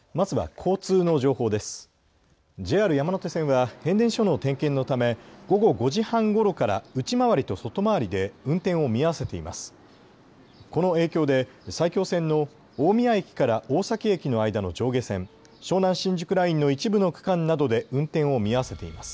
この影響で埼京線の大宮駅から大崎駅の間の上下線、湘南新宿ラインの一部の区間などで運転を見合わせています。